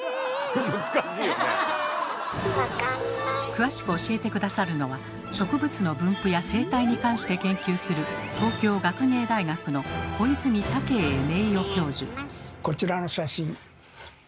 詳しく教えて下さるのは植物の分布や生態に関して研究するこちらの写真。